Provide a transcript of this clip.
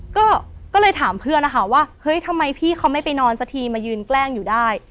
ก็เลยถามเพื่อนนะคะว่าเฮ้ยทำไมพี่เขาไม่ไปนอนสักทีมายืนแกล้งอยู่ได้